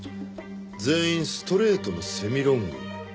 全員ストレートのセミロング。